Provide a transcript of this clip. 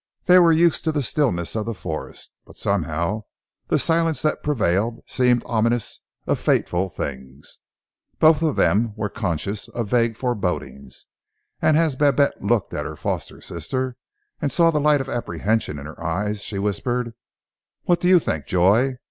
They were used to the stillness of the forest, but somehow the silence that prevailed seemed ominous of fateful things. Both of them were conscious of vague forebodings, and as Babette looked at her foster sister, and saw the light of apprehension in her eyes, she whispered, "What do you think, Joy?